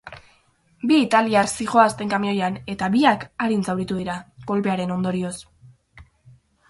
Bi italiar zihoazen kamioian, eta biak arin zauritu dira, kolpearen ondorioz.